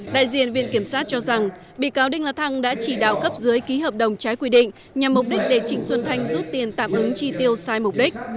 đại diện viện kiểm sát cho rằng bị cáo đinh la thăng đã chỉ đạo cấp dưới ký hợp đồng trái quy định nhằm mục đích để trịnh xuân thanh rút tiền tạm ứng chi tiêu sai mục đích